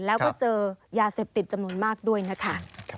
แล้วก็เจอยาเสพติดจำนวนมากด้วยนะคะ